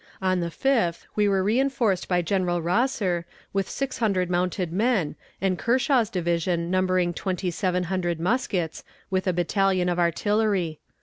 On the 5th we were reënforced by General Rosser with six hundred mounted men, and Kershaw's division, numbering twenty seven hundred muskets, with a battalion of artillery.